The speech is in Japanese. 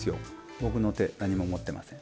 僕の手何も持ってません。